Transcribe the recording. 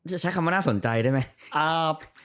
จะใช้คำว่าน่าสนใจได้ไหม